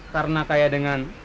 karena kaya dengan